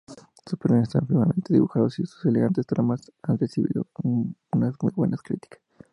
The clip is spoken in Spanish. Sus personajes están finamente dibujados y sus elegantes tramas han recibido muy buenas críticas.